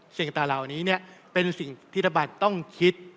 สิ่งตาเหล่านี้เนี่ยเป็นสิ่งที่ระบัดต้องคิด